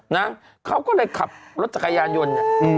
นะเขาก็เลยขับรถจักรยานยนต์เนี่ย